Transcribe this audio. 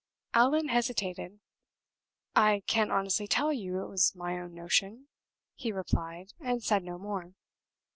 Allan hesitated. "I can't honestly tell you it was my own notion," he replied, and said no more.